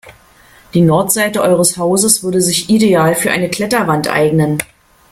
Die Nordseite eures Hauses würde sich ideal für eine Kletterwand eignen.